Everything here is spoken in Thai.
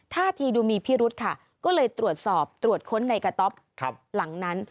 ท่าทีดูมีพิรุธค่ะก็เลยตรวจสอบตรวจค้นในกระต๊อบหลังนั้น